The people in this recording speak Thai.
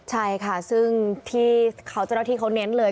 ใช่ค่ะซึ่งที่เจ้าหน้าที่เขาเน้นเลย